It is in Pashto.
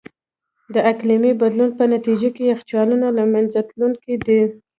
د اقلیمي بدلون په نتیجه کې یخچالونه له منځه تلونکي دي.